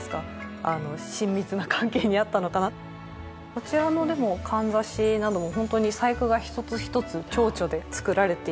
こちらのかんざしなども本当に細工が一つ一つ蝶々で作られていて。